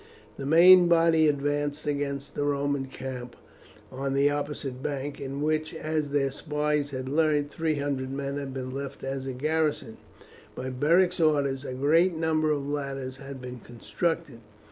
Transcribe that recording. The main body advanced against the Roman camp on the opposite bank, in which, as their spies had learnt, three hundred men had been left as a garrison. By Beric's orders a great number of ladders had been constructed.